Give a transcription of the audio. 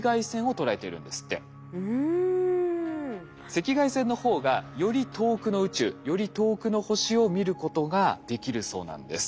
赤外線の方がより遠くの宇宙より遠くの星を見ることができるそうなんです。